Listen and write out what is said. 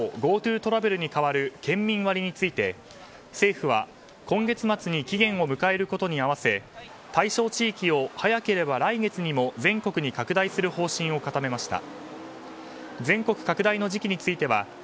ＧｏＴｏトラベルに代わる県民割について政府は今月末に期限を迎えることに合わせ対象地域を早ければ来月にも全国に拡大する方針を固めました。